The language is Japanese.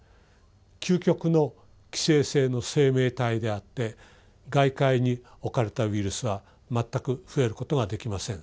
究極の寄生性の生命体であって外界に置かれたウイルスは全く増えることができません。